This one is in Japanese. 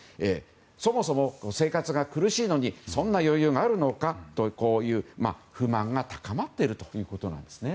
そもそも、生活が苦しいのにそんな余裕があるのかという不満が高まっているということなんですね。